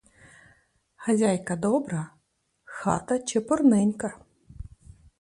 Хазяйка добра, хата чепурненька.